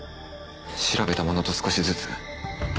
調べたものと少しずつ。